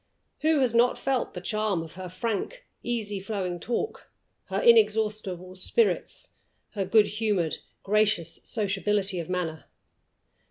Who has not felt the charm of her frank, easily flowing talk, her inexhaustible spirits, her good humored, gracious sociability of manner?